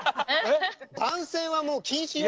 番宣はもう禁止よ！